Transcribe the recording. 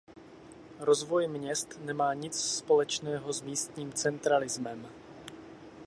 Rozvoj měst nemá nic společného s místním centralismem.